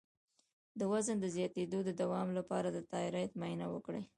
د وزن د زیاتیدو د دوام لپاره د تایرايډ معاینه وکړئ